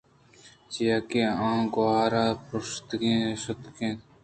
چیاکہ آ گوٛہر ءَ پرٛوشتگ ءُ اِشتگ اِتنت